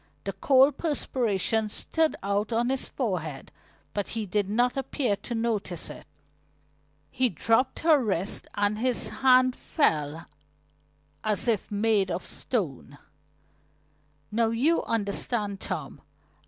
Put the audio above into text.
The cold perspiration stood out on his forehead but he did not appear to notice it. He dropped her wrist and his hand fell as if made of stone. "Now you understand, Tom.